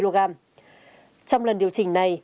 trong lần điều chỉnh này